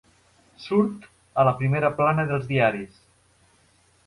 Surt a la primera plana dels diaris.